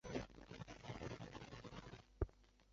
肯普顿公园是位于南非豪登省的一个城市。